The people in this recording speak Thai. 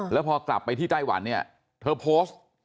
แล้วพอกลับไปที่ไต้หวันเนี่ยเธอโพสต์